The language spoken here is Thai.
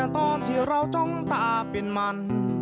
ตอนที่เราจ้องตาเป็นมัน